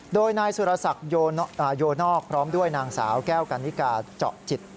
โดยนายสุรศักดิ์โยนอกพร้อมด้วยนางสาวแก้วกันนิกาเจาะจิต